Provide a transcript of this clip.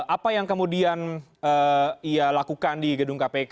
apa yang kemudian ia lakukan di gedung kpk